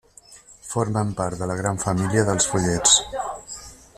Formen part de la gran família dels follets.